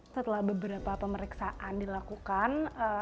setelah beberapa pemeriksaan dilakukan